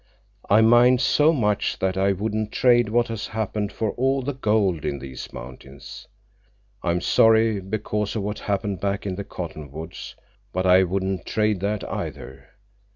"I mind so much that I wouldn't trade what has happened for all the gold in these mountains. I'm sorry because of what happened back in the cottonwoods, but I wouldn't trade that, either.